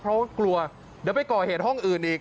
เพราะว่ากลัวเดี๋ยวไปก่อเหตุห้องอื่นอีก